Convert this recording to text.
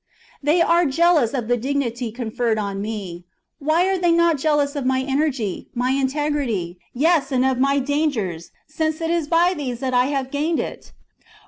They are jealous of the dignity conferred on me ; why are they not jealous of my energy, my integrity, yes, and of my dangers, since it is by these that I have gained it